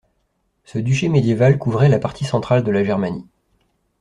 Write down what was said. Ce duché médiéval couvrait la partie centrale de la Germanie.